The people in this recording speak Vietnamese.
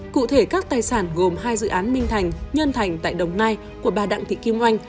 cụ thể các tài sản gồm hai dự án minh thành nhân thành tại đồng nai của bà đặng thị kim oanh